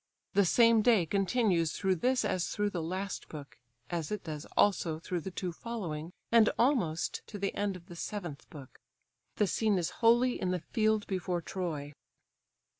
The same day continues through this as through the last book (as it does also through the two following, and almost to the end of the seventh book). The scene is wholly in the field before Troy.